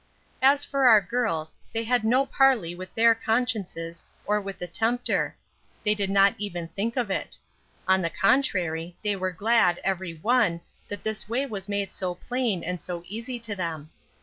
As for our girls, they held no parley with their consciences, or with the tempter; they did not even think of it. On the contrary, they were glad, every one, that the way was made so plain and so easy to them.